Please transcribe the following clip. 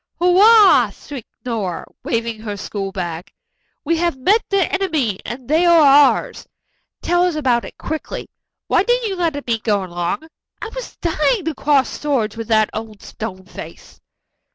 "Hurrah!" shrieked Nora, waving her school bag. "'We have met the enemy and they are ours.' Tell us about it quickly. Why didn't you let me go along? I was dying to cross swords with that old stone face."